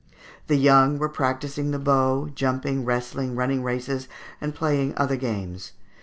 The young were practising the bow, jumping, wrestling, running races, and playing other games.